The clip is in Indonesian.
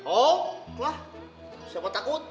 oh lah siapa takut